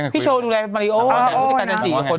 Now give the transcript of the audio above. พี่โชว์ดูแลมาริโอ้เป็นผู้จัดการจัดจีบคน